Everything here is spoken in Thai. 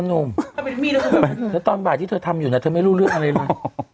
หนุ่มแล้วตอนบ่ายที่เธอทำอยู่นะเธอไม่รู้เรื่องอะไรเลย